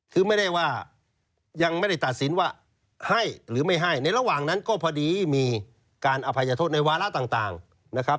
คือไม่ได้ว่ายังไม่ได้ตัดสินว่าให้หรือไม่ให้ในระหว่างนั้นก็พอดีมีการอภัยโทษในวาระต่างนะครับ